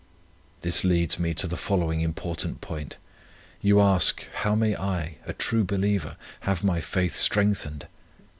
This leads me to the following important point. You ask, How may I, a true believer, have my faith strengthened?